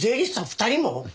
２人も？